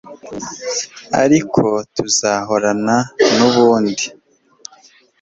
ariko tuzahorana n'ubundi